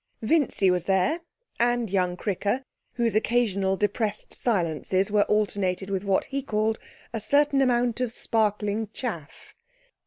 Vincy was there and young Cricker, whose occasional depressed silences were alternated with what he called a certain amount of sparkling chaff.